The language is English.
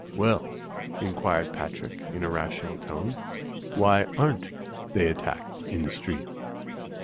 "Well," inquired Patrick, in a rational tone, "why aren't they attacked in the street?"